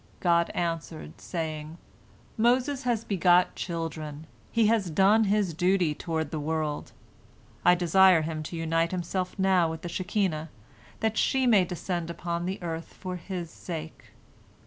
God answered, saying, "Moses has begot children, he has done his duty toward the world. I desire him to unite himself now with the Shekinah, that she may descend upon earth for his sake."